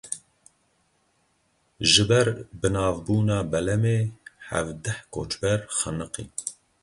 Ji ber binavbûna belemê hevdeh koçber xeniqîn.